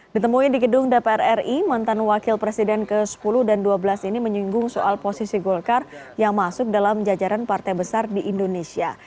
ditemui di gedung dpr ri mantan wakil presiden ke sepuluh dan ke dua belas ini menyinggung soal posisi golkar yang masuk dalam jajaran partai besar di indonesia